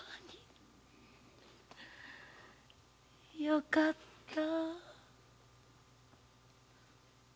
よかった。